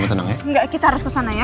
enggak kita harus kesana ya